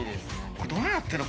これどないなってるの？